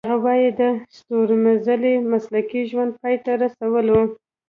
هغه وايي د ستورمزلۍ مسلکي ژوند پای ته رسولو .